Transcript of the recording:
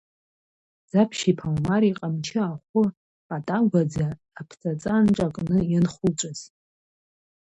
Ӡаԥшь-иԥа Омар иҟамчы ахәы патагәаӡа, аԥҵаҵа нҿакны ианхуҵәаз.